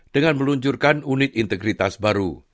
dengan meluncurkan unit integritas baru